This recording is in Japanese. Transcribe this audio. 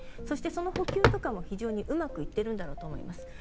そして、その補給なども非常にうまくいっているんだろうと思います。